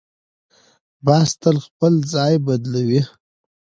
باز تل خپل ځای بدلوي